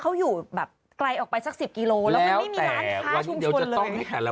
เขาอยู่แบบไกลออกไปสักสิบกิโลแล้วมันไม่มีร้านค้าชุมชนเลยจะต้องให้แต่ละ